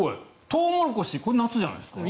トウモロコシこれは夏じゃないですか？